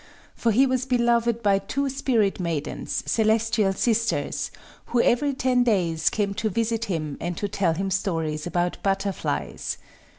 For he was beloved by two spirit maidens, celestial sisters, who every ten days came to visit him and to tell him stories about butterflies.